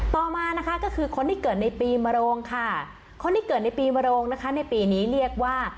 ต่อมานะคะก็คือคนที่เกิดในปีมโรงค่ะคนที่เกิดในปีมโรงนะคะในปีนี้เรียกว่า